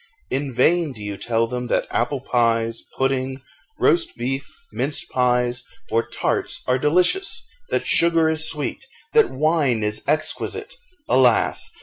In vain do you tell them that apple pies, pudding, roast beef, minced pies, or tarts, are delicious, that sugar is sweet, that wine is exquisite. Alas!